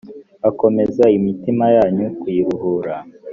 akomeze imitima yanyu kuyiruhura